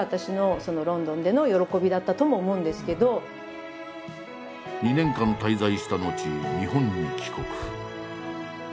その感性っていうか２年間滞在した後日本に帰国。